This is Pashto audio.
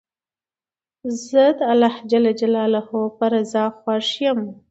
زه د خدای جل جلاله په رضا خوښ یم.